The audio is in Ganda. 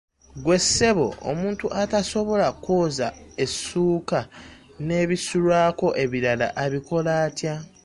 Ggwe ssebo omuntu atasobola kwoza essuuka n'ebisulwako ebirala abikola atya?